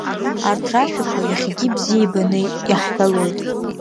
Арҭ рашәақәа иахьагьы бзиа ибаны иаҳҳәалоит.